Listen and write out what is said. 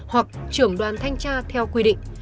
hoặc trưởng đoàn thanh tra theo quy định